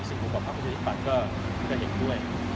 สิ่งกว่าพระพุทธฤทธิปัตย์ก็เห็นด้วย